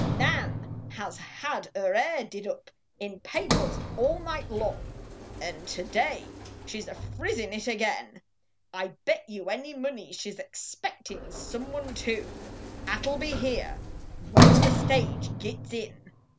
Xan has had er hair did up In papers all night long ; Xd today she s a frizzin it agin ; I bet you any money she s expectin some one, too, At 11 be here when the stage gits in.